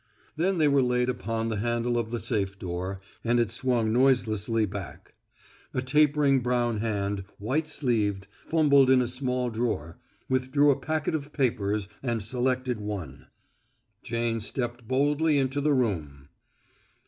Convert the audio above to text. Then they were laid upon the handle of the safe door, and it swung noiselessly back. A tapering brown hand, white sleeved, fumbled in a small drawer, withdrew a packet of papers and selected one. Jane stepped boldly into the room.